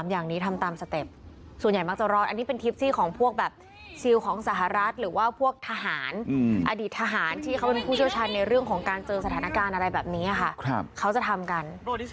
อย่างนี้ทำตามสเต็ปส่วนใหญ่มักจะร้อนอันนี้เป็นทริปซี่ของพวกแบบซิลของสหรัฐหรือว่าพวกทหารอดีตทหารที่เขาเป็นผู้เชี่ยวชาญในเรื่องของการเจอสถานการณ์อะไรแบบนี้ค่ะเขาจะทำกัน